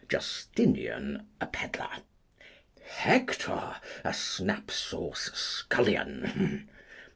Justinian, a pedlar. Hector, a snap sauce scullion.